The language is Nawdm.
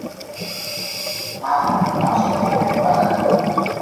Mngagʼbe-n ba suhdgi wii kpala.